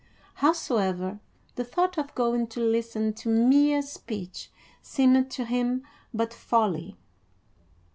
Howsoever, the thought of going to listen to mere speech seemed to him but folly.